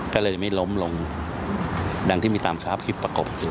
ก็เลยไม่ล้มลงดังที่มีตามสภาพคลิปประกบอยู่